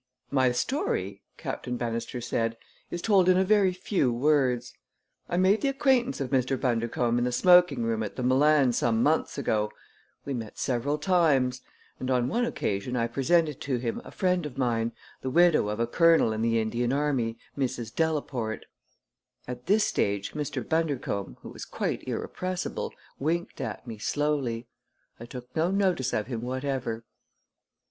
"My story," Captain Bannister said, "is told in a very few words. I made the acquaintance of Mr. Bundercombe in the smoking room at the Milan some months ago. We met several times; and on one occasion I presented him to a friend of mine, the widow of a colonel in the Indian Army, Mrs. Delaporte." At this stage, Mr. Bundercombe, who was quite irrepressible, winked at me slowly. I took no notice of him whatever.